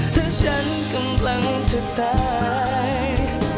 ถ้าฉันกำลังจะตาย